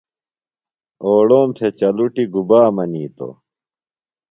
اوڑوم تھےۡچلٹُیۡ گُبا منیتوۡ؟